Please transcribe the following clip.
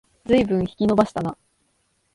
ずいぶん引き延ばしたな